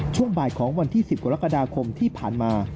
ช่วงบ่ายของวันที่๑๐กรกฎาคมที่ผ่านมา